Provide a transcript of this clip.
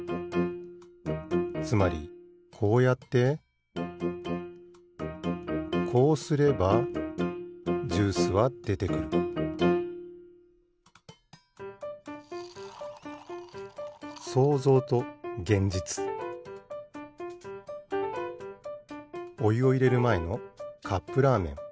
つまりこうやってこうすればジュースはでてくるおゆをいれるまえのカップラーメン。